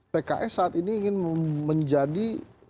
pks saat ini ingin menjadi